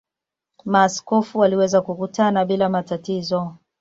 Maaskofu waliweza kukutana bila matatizo.